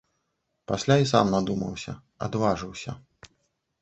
Пасля і сам надумаўся, адважыўся.